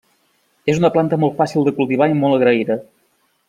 És una planta molt fàcil de cultivar i molt agraïda.